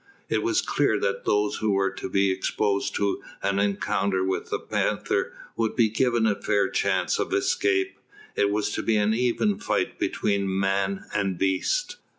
It was clear that those who were to be exposed to an encounter with the panther would be given a fair chance of escape. It was to be an even fight between man and beast.